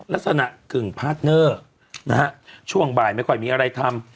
ลักษณะกึ่งพาร์ทเนอร์นะฮะช่วงบ่ายไม่ค่อยมีอะไรทำ